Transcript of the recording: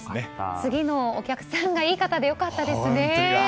次のお客さんがいい方で良かったですね。